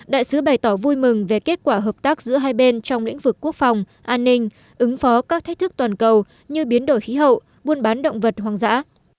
đại sứ bày tỏ vui mừng về kết quả hợp tác giữa hai bên trong lĩnh vực quốc phòng an ninh ứng phó các thách thức toàn cầu như biến đổi khí hậu buôn bán động vật hoang dã